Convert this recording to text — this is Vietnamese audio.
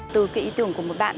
tôi kỹ tưởng của một bác sĩ là